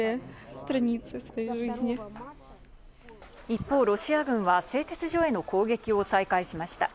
一方、ロシア軍は製鉄所への攻撃を再開しました。